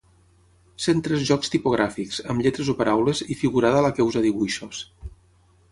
Cent tres jocs tipogràfics, amb lletres o paraules, i figurada la que usa dibuixos.